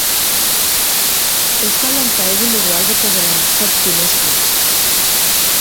Euskal dantza egin dugu alboko gelan zortzi neskak.